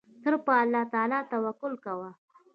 تل پر الله تعالی توکل کوه.